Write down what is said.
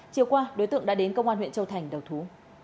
chiều qua đối tượng đã đến công an huyện châu thành đầu thú